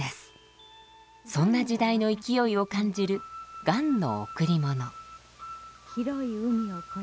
そんな時代の勢いを感じる「雁のおくりもの」。